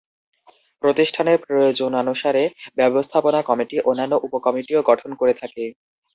প্রতিষ্ঠানের প্রয়োজনানুসারে ব্যবস্থাপনা কমিটি অন্যান্য উপ-কমিটিও গঠন করে থাকে।